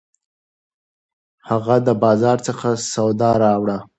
هغه د بازار څخه سودا راوړه